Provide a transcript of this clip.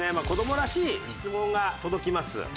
子どもらしい質問が届きます。